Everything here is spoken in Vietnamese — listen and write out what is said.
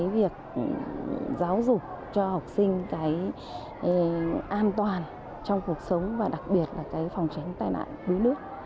việc giáo dục cho học sinh an toàn trong cuộc sống và đặc biệt là phòng tránh tai nạn đuối nước